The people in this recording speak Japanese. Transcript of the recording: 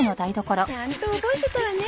ちゃんと覚えてたわね。